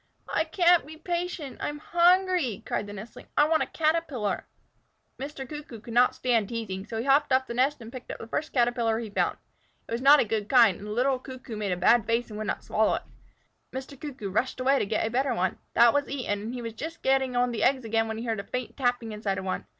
"I can't be patient. I'm hungry," cried the nestling. "I want a Caterpillar." Mr. Cuckoo could not stand teasing, so he hopped off the nest and picked up the first Caterpillar he found. It was not a good kind, and the little Cuckoo made a bad face and would not swallow it. Mr. Cuckoo rushed away to get a better one. That was eaten, and he was just getting on the eggs again when he heard a faint tapping inside of one.